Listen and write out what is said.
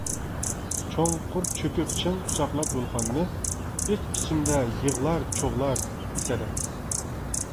چوڭقۇر چۆكۈپ چىڭ قۇچاقلاپ گۈلخاننى، ئىچ-ئىچىمدە يىغلار چوغلار ئېسەدەپ.